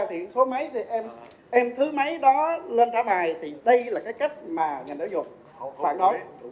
thì số mấy thì em thứ mấy đó lên trả bài thì đây là cái cách mà ngành giáo dục phản đối